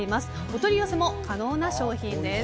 お取り寄せも可能な商品です。